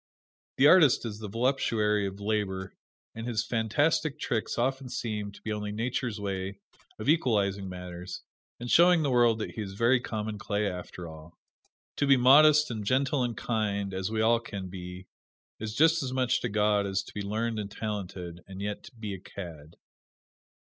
The artist is the voluptuary of labor, and his fantastic tricks often seem to be only Nature's way of equalizing matters, and showing the world that he is very common clay, after all. To be modest and gentle and kind, as we all can be, is just as much to God as to be learned and talented, and yet be a cad.